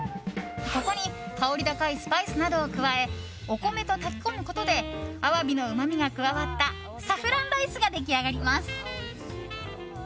ここに香り高いスパイスなどを加えお米と炊き込むことでアワビのうまみが加わったサフランライスが出来上がります。